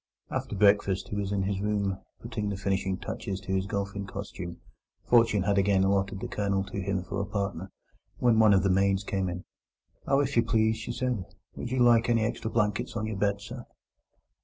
After breakfast he was in his room, putting the finishing touches to his golfing costume—fortune had again allotted the Colonel to him for a partner—when one of the maids came in. "Oh, if you please," she said, "would you like any extra blankets on your bed, sir?"